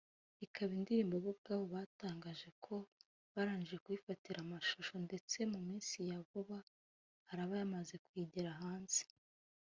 ikaba indirimbo bo ubwabo batangaza ko barangije kuyifatira amashusho ndetse mu minsi ya vuba araba yamaze kugera hanze